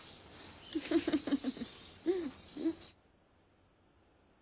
フフフフ。